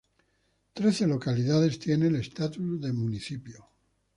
Trece localidades tienen el estatus de municipio.